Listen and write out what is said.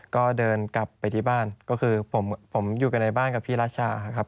ก็เดินกลับไปที่บ้านก็คือผมอยู่กันในบ้านกับพี่รัชชาครับ